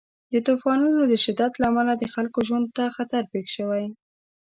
د طوفانونو د شدت له امله د خلکو ژوند ته خطر پېښ شوی.